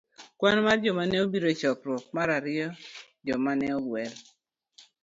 Kwan mar joma nobiro e chokruok .mar ariyo Joma ne Ogwel